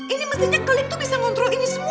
ini mestinya klik tuh bisa ngontrol ini semua